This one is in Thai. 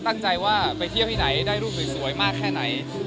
ตั้งใจว่าไปเที่ยวที่ไหนได้รูปสวยมากแค่ไหน